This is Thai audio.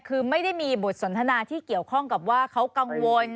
คือไม่ได้มีบทสนทนาที่เกี่ยวข้องกับว่าเขากังวล